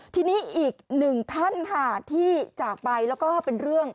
ทีนี้อีกหนึ่งท่านค่ะที่จากไปแล้วก็เป็นเรื่อง